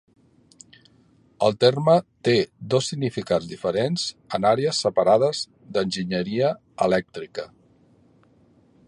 El terme té dos significats diferents en àrees separades d'enginyeria elèctrica.